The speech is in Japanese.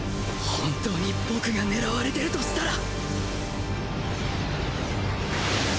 本当に僕が狙われてるとしたら